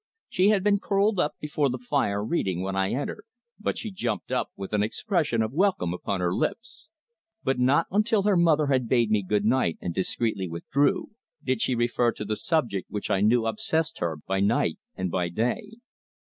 She had been curled up before the fire reading when I entered, but she jumped up with an expression of welcome upon her lips. But not until her mother had bade me good night and discreetly withdrew, did she refer to the subject which I knew obsessed her by night and by day.